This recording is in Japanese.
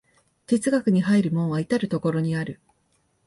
哲学に入る門は到る処にある。